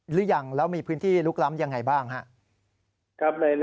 หรือยังแล้วมีพื้นที่ลุกล้ำยังไงบ้างครับ